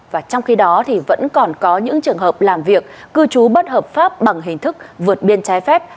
và trong khi đó thì vẫn còn có những trường hợp làm việc cư trú bất hợp pháp bằng hình thức vượt biên trái phép